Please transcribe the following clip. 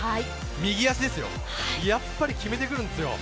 右足ですよ、やっぱり決めてくるんですよ。